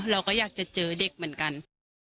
เราก็อยากจะเจอเด็กเหมือนกัน